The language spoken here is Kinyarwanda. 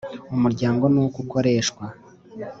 Umuryango n uko ukoreshwa